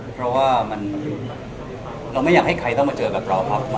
เพราะว่าเราไม่อยากให้ใครมาเจอกับเราครับ